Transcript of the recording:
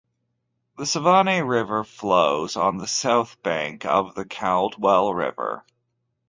The Savane River flows on the south bank of the Caldwell River.